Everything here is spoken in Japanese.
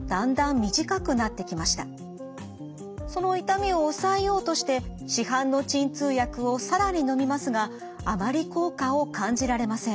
その痛みを抑えようとして市販の鎮痛薬を更にのみますがあまり効果を感じられません。